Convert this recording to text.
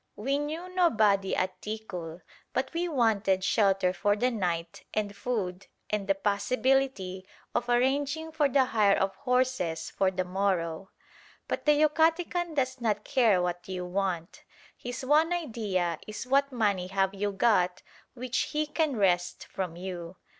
We knew nobody at Ticul, but we wanted shelter for the night and food, and the possibility of arranging for the hire of horses for the morrow. But the Yucatecan does not care what you want. His one idea is what money have you got which he can wrest from you.